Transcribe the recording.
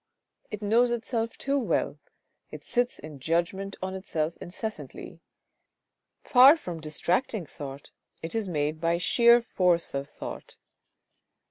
It knows itself too well, it sits in judgment on itself incessantly ; far from distracting thought it is made by sheer force of thought.